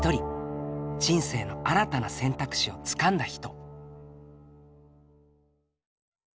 人生の新たな選択肢をつかんだ人。